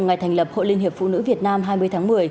ngày thành lập hội liên hiệp phụ nữ việt nam hai mươi tháng một mươi